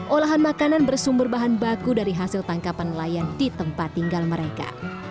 olahan makanan bersumber bahan baku dari hasil tangkapan nelayan di tempat tinggal mereka